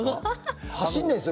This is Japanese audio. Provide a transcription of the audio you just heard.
走んないですよ